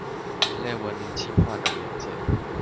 人類文明進化的原則